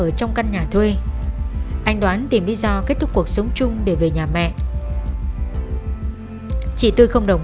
ở trong căn nhà thuê anh đoán tìm lý do kết thúc cuộc sống chung để về nhà mẹ chị tư không đồng